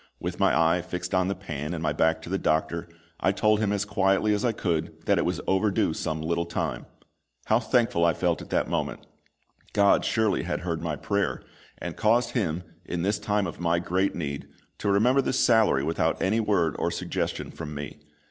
With my eye fixed on the pan and my back to the doctor, I told him as quietly as I could that it was overdue some little time. How thankful I felt at that moment! GOD surely had heard my prayer, and caused him, in this time of my great need, to remember the salary without any word or suggestion from me.